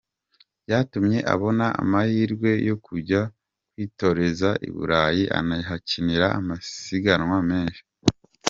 Byatumye abona amahirwe yo kujya kwitoreza i Burayi anahakinira amasiganwa menshi.